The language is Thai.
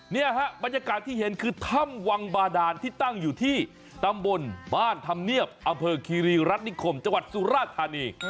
เนี่ยฮะบรรยากาศที่เห็นคือถ้ำวังบาดานที่ตั้งอยู่ที่ตำบลบ้านธรรมเนียบอำเภอคีรีรัฐนิคมจังหวัดสุราธานี